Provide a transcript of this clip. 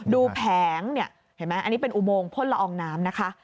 แผงเนี่ยเห็นไหมอันนี้เป็นอุโมงพ่นละอองน้ำนะคะ